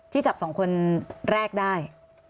ที่จับ๒คนแรกได้